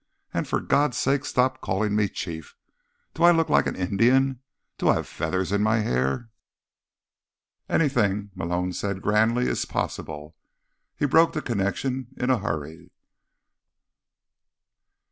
"And for God's sake stop calling me Chief! Do I look like an Indian? Do I have feathers in my hair?" "Anything," Malone said grandly, "is possible." He broke the connection in a hurry.